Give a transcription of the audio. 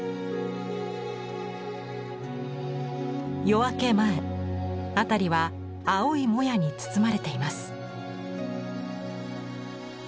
夜明け前辺りは青いもやに包まれています。